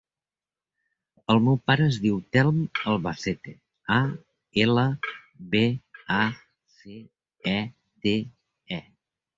El meu pare es diu Telm Albacete: a, ela, be, a, ce, e, te, e.